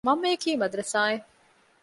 މަންމަޔަކީ މަދަރުސާއެއް